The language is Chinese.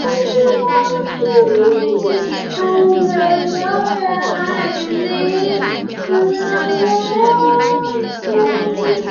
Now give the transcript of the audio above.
乳铁蛋白的许多功能特性取决于其寡聚态形式。